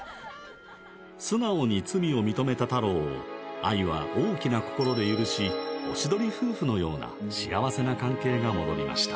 素直に罪を認めた太郎を愛は大きな心で許しおしどり夫婦のような幸せな関係が戻りました